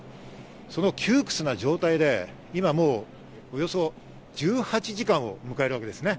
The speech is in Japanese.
その窮屈な状態で今およそ１８時間を迎えるわけです。